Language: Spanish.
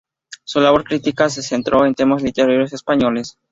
Su labor crítica se centró en temas literarios españoles.